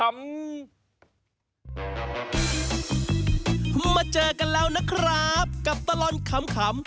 มาเจอกันแล้วนะครับกับตลอดขำ